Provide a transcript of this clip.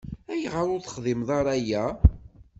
Ayɣer ur texdimeḍ ara aya?